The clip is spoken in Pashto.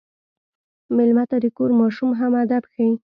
مېلمه ته د کور ماشوم هم ادب ښيي.